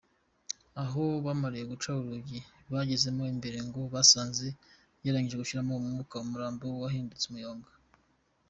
Aho bamariye guca urugi bagezemo imbere ngo basanze yarangije gushiramo umwuka, umurambo wahindutse umuyonga.